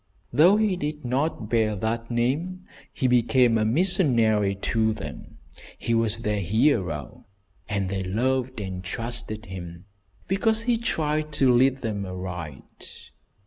Though he did not bear that name, he became a missionary to them. He was their hero, and they loved and trusted him because he tried to lead them aright.